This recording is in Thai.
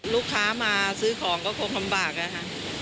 ลูกค้ามาซื้อของก็คงลำบากอะค่ะ